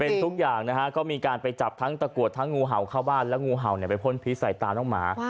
เป็นทุกอย่างนะฮะก็มีการไปจับทั้งตะกรวดทั้งงูเห่าเข้าบ้านแล้วงูเห่าไปพ่นพิษใส่ตาน้องหมา